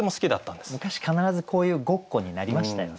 昔必ずこういうごっこになりましたよね。